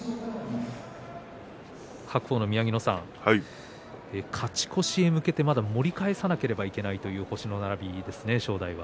白鵬の宮城野さん勝ち越しへ向けてまだ盛り返さなければいけないという星の並びですね正代は。